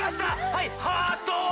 はいハート！